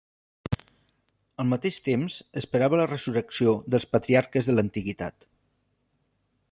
Al mateix temps esperava la resurrecció dels patriarques de l'antiguitat.